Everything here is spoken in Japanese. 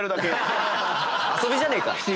遊びじゃねえか。